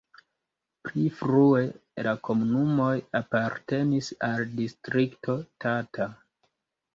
Pli frue la komunumoj apartenis al Distrikto Tata.